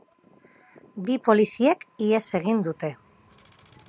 Bi poliziek ihes egin dute.